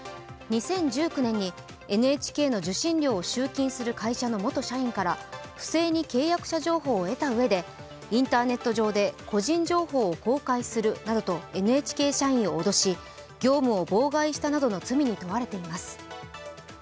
２０１９年にＮＨＫの受信料を集金する会社の元社員から不正に契約者情報を得たうえでインターネット上で個人情報を公開するなどとＮＨＫ社員を脅し、業務を妨害したなどの罪に問われています。